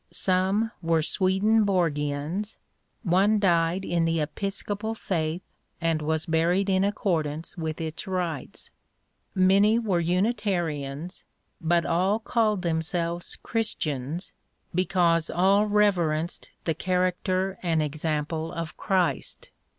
Some were Swedenborgians ; one died in the Episcopal faith and was buried in accord ance with its , rites ; many were Unitarians — ^but all called themselves Christians because all rever enced the character and example of Christ.